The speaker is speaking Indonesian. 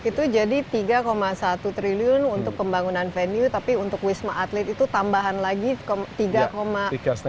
itu jadi tiga satu triliun untuk pembangunan venue tapi untuk wisma atlet itu tambahan lagi tiga lima juta